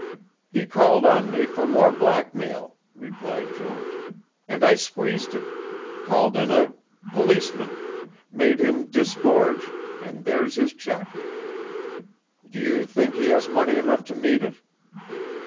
"He called on me for more blackmail," replied Jones, "and I squeezed him, called in a policeman, made him disgorge, and there's his cheque. Do you, think he has money enough to meet it?"